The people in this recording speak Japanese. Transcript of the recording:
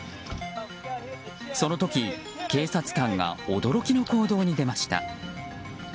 その時、警察官が驚きの行動に出ました。